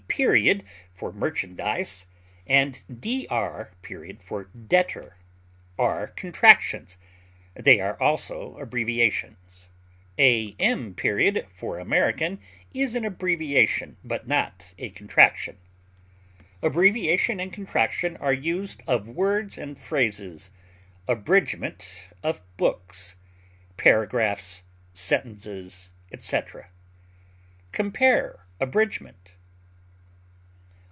_ for merchandise, and Dr. for debtor are contractions; they are also abbreviations; Am. for American is an abbreviation, but not a contraction. Abbreviation and contraction are used of words and phrases, abridgment of books, paragraphs, sentences, etc. Compare ABRIDGMENT.